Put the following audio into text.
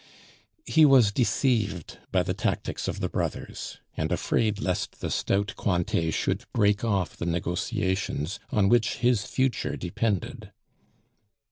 He was deceived by the tactics of the brothers, and afraid lest the stout Cointet should break off the negotiations on which his future depended.